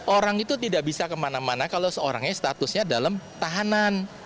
orang itu tidak bisa kemana mana kalau seorangnya statusnya dalam tahanan